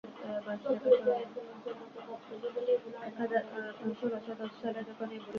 প্রচলিত এসএমএসের মতো কাজ করবে বলে এগুলো আদান-প্রদানে যথারীতি খরচ করতে হবে।